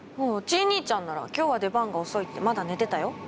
チイ兄ちゃんなら今日は出番が遅いってまだ寝てたよ。